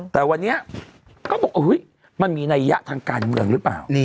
แต่วันนี้ก็บอกมันมีนัยยะทางการเมืองหรือเปล่า